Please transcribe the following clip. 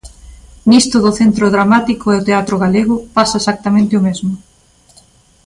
Nisto do Centro Dramático e o teatro galego, pasa exactamente o mesmo.